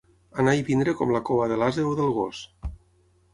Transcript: Anar i venir com la cua de l'ase o del gos.